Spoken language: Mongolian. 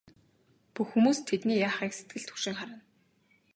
Бүх хүмүүс тэдний яахыг сэтгэл түгшин харна.